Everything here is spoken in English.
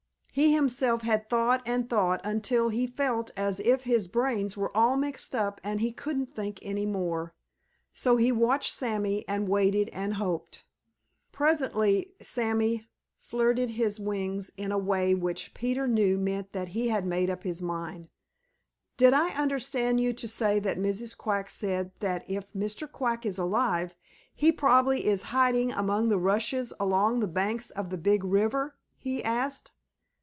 He himself had thought and thought until he felt as if his brains were all mixed up and he couldn't think any more. So he watched Sammy and waited and hoped. Presently Sammy flirted his wings in a way which Peter knew meant that he had made up his mind. "Did I understand you to say that Mrs. Quack said that if Mr. Quack is alive, he probably is hiding among the rushes along the banks of the Big River?" he asked.